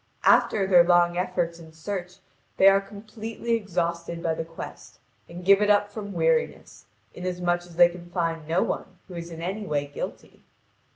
After their long efforts and search they are completely exhausted by the quest, and give it up from weariness, inasmuch as they can find no one who is in any way guilty.